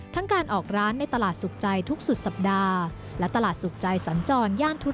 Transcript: ทั้งการออกร้านในตลาดสุขใจทุกสุดสัปดาห์และตลาดสุขใจสรรจรญ